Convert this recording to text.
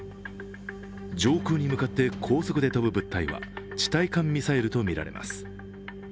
上空に向かって高速で飛ぶ物体は地対艦ミサイルとみられます。